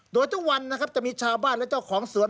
โดยทุกวันนะครับจะมีชาวบ้านและเจ้าของสวน